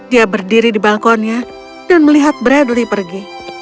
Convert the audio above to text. dia berdiri di balkonnya dan melihat bradley pergi